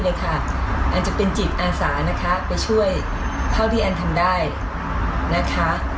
นะคะอันจะเป็นอันศระนะคะไปช่วยเท่าที่อันทำได้นะคะ